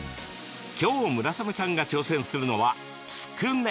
今日、村雨さんが挑戦するのはつくね。